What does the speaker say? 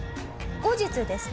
後日ですね